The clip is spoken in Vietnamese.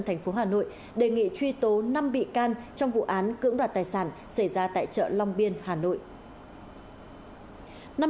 tp hcm đề nghị truy tố năm bị can trong vụ án cưỡng đoạt tài sản xảy ra tại chợ long biên hà nội